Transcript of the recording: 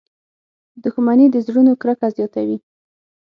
• دښمني د زړونو کرکه زیږوي.